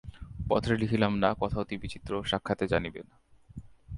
পত্রে লিখিলাম না, কথা অতি বিচিত্র, সাক্ষাতে জানিবেন।